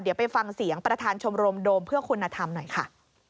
เดี๋ยวไปฟังเสียงประธานชมรมโดมเพื่อคุณธรรมหน่อยค่ะ